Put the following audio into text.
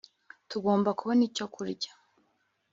tugomba kubona icyo kurya